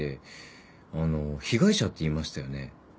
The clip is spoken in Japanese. あの被害者って言いましたよね？